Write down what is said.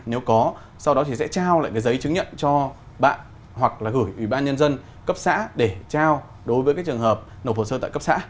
nếu có sau đó sẽ trao lại giấy chứng nhận cho bạn hoặc gửi ủy ban nhân dân cấp xã để trao đối với trường hợp nộp hồ sơ tại cấp xã